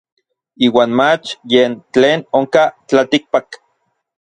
Iuan mach yen tlen onkaj tlaltikpak.